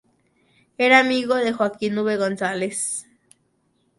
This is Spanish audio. Era amigo de Joaquín V. González.